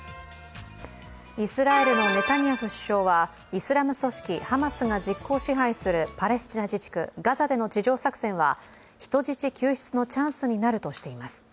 イスラエルのネタニヤフ首相はイスラム組織ハマスが実効支配するパレスチナ自治区ガザでの地上作戦は人質救出のチャンスになるとしています。